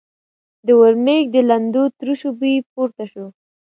د ورمېږ له لندو تروشو بوی پورته شو.